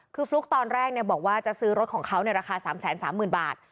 คือฟลุ๊กตอนแรกเนี้ยบอกว่าจะซื้อรถของเขาในราคาสามแสนสามหมื่นบาท